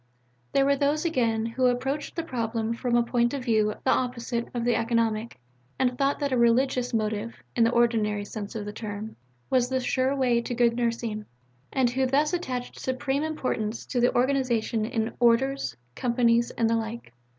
There were those, again, who approached the problem from a point of view the opposite of the economic, and thought that a "religious" motive (in the ordinary sense of the term) was the sure way to good nursing, and who thus attached supreme importance to organization in "Orders," "Companies," and the like.